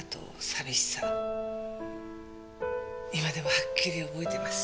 今でもはっきり覚えてます。